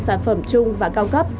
sản phẩm trung và cao cấp